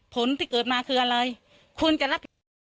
ผลที่เกิดมาคืออะไรคุณจะรับ